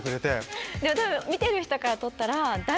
でも見てる人からとったら誰？